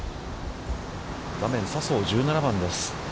画面、笹生１７番です。